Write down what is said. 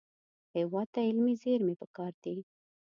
هېواد ته علمي زېرمې پکار دي